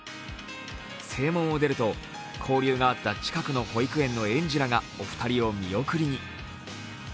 正門を出ると、交流があった近くの保育園の園児らがお二人を見送りに。